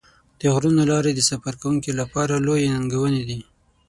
د غرونو لارې د سفر کوونکو لپاره لویې ننګونې دي.